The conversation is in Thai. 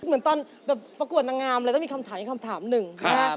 เหมือนตอนประกวดนางามเลยต้องมีคำถามอย่างคำถามหนึ่ง